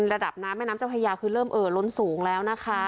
ระดับน้ำแม่น้ำเจ้าพระยาคือเริ่มเอ่อล้นสูงแล้วนะคะ